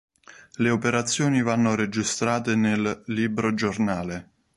Le operazioni vanno registrate nel "libro giornale".